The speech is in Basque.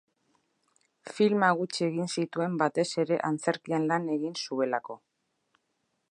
Filma gutxi egin zituen batez ere antzerkian lan egin zuelako.